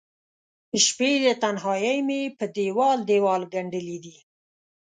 شپې د تنهائې مې په دیوال، دیوال ګنډلې دي